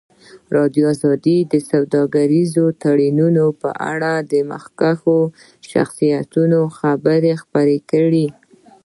ازادي راډیو د سوداګریز تړونونه په اړه د مخکښو شخصیتونو خبرې خپرې کړي.